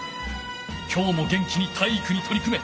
きょうも元気に体育にとり組め！